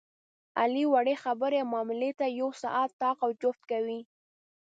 علي وړې خبرې او معاملې ته یو ساعت طاق او جفت کوي.